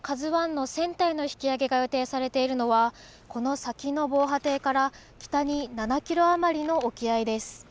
ＫＡＺＵＩの船体の引き揚げが予定されているのはこの先の防波堤から北に７キロ余りの沖合です。